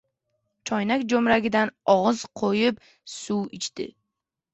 Choynak jo‘mragidan og‘iz qo‘yib suv ichdi.